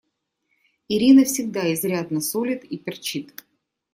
Ирина всегда изрядно солит и перчит.